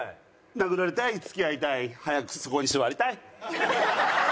殴られたい付き合いたい早くそこに座りたい。